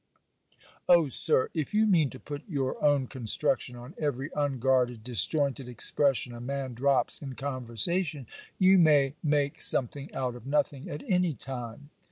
'Oh, Sir, if you mean to put your own construction on every unguarded disjointed expression a man drops in conversation, you may make something out of nothing, at any time.'